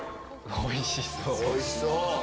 おいしそう！